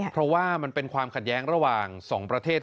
เพราะว่ามันเป็นความขัดแย้งระหว่าง๒ประเทศ